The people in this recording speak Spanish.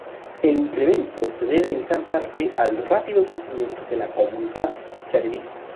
El incremento se debe en gran parte al rápido crecimiento de la comunidad jaredí.